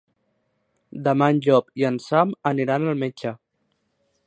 Demà en Llop i en Sam aniran al metge.